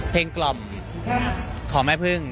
กล่อมของแม่พึ่ง